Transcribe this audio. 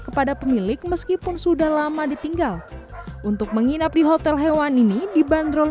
kepada pemilik meskipun sudah lama ditinggal untuk menginap di hotel hewan ini dibanderol